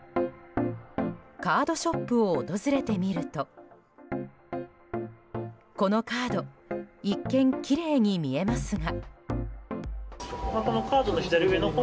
カードショップを訪れてみるとこのカード一見きれいに見えますが。